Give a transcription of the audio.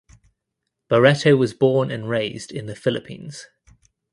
Barretto was born and raised in the Philippines.